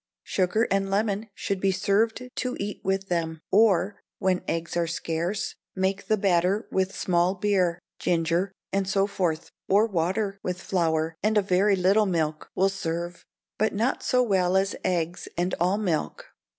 Sugar and lemon should be served to eat with them. Or, when eggs are scarce, make the batter with small beer, ginger, and so forth; or water, with flour, and a very little milk, will serve, but not so well as eggs and all milk.